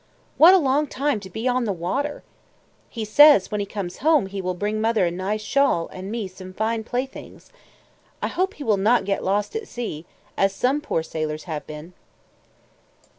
What a long time to be on the water! He says, when he comes home he will bring mother a nice shawl and me some fine playthings. I hope he will not get lost at sea, as some poor sailors have been.